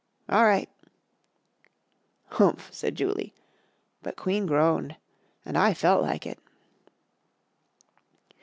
"All right." "Humph!" said Julie, but Queen groaned and I felt like it.